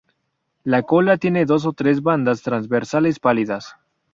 La cola tiene dos o tres bandas transversales pálidas.